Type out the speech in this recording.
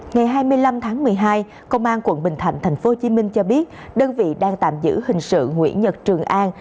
ngày hai mươi năm tháng một mươi hai công an quận bình thạnh tp hcm cho biết đơn vị đang tạm giữ hình sự nguyễn nhật trường an